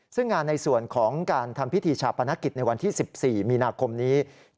ซึ่งงานในส่วนของการทำพิธีชาปนกิจในวันที่๑๔มีนาคมนี้